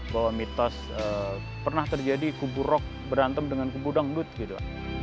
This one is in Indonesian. bahwa mitos pernah terjadi kubu rock berantem dengan kubu dangdut gitu